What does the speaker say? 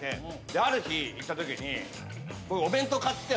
である日行ったときに。